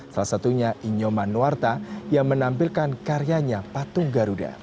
salah satunya inyoman nuarta yang menampilkan karyanya patung garuda